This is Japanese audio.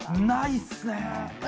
ないっすね！